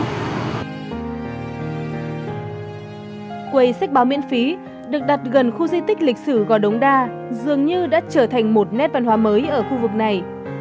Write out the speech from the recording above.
quầy sách báo miễn phí được đặt gần khu di tích lịch sử gò đống đa dường như đã trở thành một nét văn hóa mới ở khu vực này